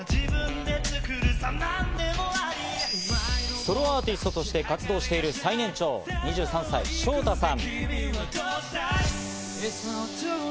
ソロアーティストとして活動している最年長２３歳ショウタさん。